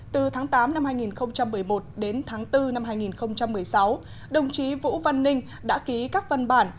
từ tháng tám năm hai nghìn một mươi một đến tháng bốn năm hai nghìn một mươi sáu đồng chí vũ văn ninh đã ký các văn bản